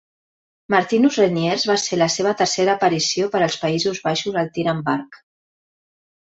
Martinus Reniers va ser la seva tercera aparició per als Països Baixos al tir amb arc.